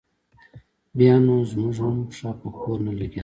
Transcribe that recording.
بیا نو زموږ هم پښه په کور نه لګېده.